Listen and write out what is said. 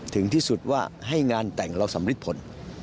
ถึงที่สุดว่าให้งานแต่งเราสำริดผล